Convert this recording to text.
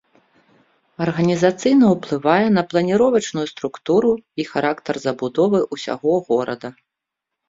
Арганізацыйна ўплывае на планіровачную структуру і характар забудовы ўсяго горада.